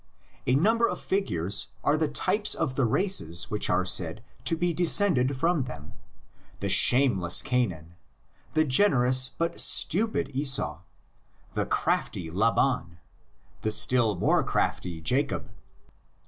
A number of figures are the types of the races which are said to be descended from them: the shameless Canaan, the generous but stupid Esau, the crafty Laban, the still more crafty Jacob (cp.